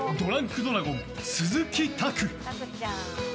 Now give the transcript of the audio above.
ドラゴン鈴木拓！